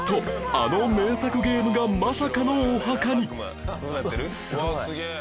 あの名作ゲームがまさかのお墓に